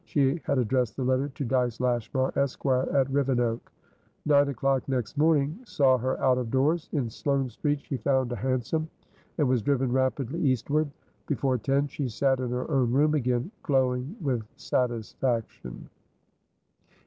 She had addressed the letter to Dyce Lashmar, Esq., at Rivenoak. Nine o'clock next morning saw her out of doors. In Sloane Street she found a hansom, and was driven rapidly eastward. Before ten she sat in her own room again, glowing with satisfaction.